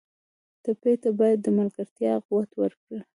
ټپي ته باید د ملګرتیا قوت ورکړو.